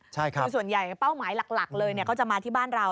ใช่ครับส่วนใหญ่เป้าหมายหลักหลักเลยเนี้ยเขาจะมาที่บ้านราว